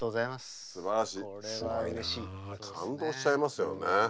感動しちゃいますよね。